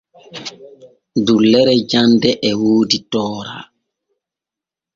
Dullere jande e woodi tooraaji.